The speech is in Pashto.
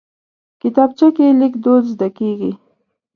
کتابچه کې لیک دود زده کېږي